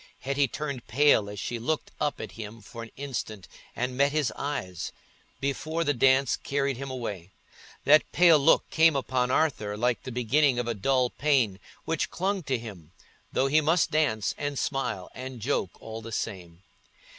Hetty turned pale as she looked up at him for an instant and met his eyes, before the dance carried him away. That pale look came upon Arthur like the beginning of a dull pain, which clung to him, though he must dance and smile and joke all the same.